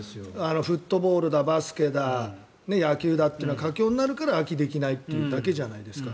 フットボールだバスケだ野球だというのは佳境になるから秋、できないというだけじゃないですか。